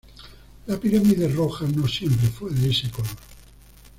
La Pirámide Roja no siempre fue de este color.